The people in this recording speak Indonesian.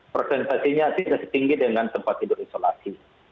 persentasinya tidak setinggi dengan tempat tidur isolasi